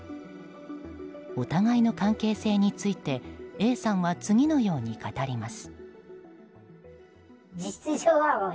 お互いの関係性についてＡさんは次のように語ります。